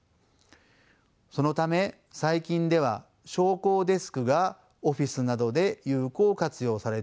そのため最近では昇降デスクがオフィスなどで有効活用されています。